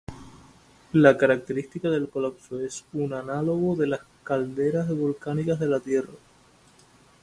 La característica del colapso es un análogo de las calderas volcánicas de la Tierra.